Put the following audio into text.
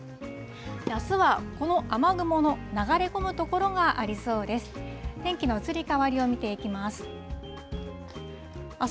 あすはこの雨雲の流れ込む所がありそうです。